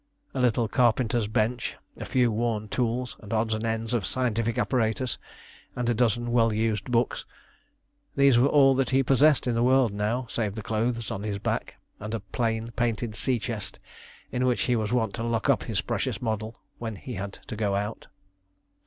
A little carpenter's bench, a few worn tools and odds and ends of scientific apparatus, and a dozen well used books these were all that he possessed in the world now, save the clothes on his back, and a plain painted sea chest in which he was wont to lock up his precious model when he had to go out.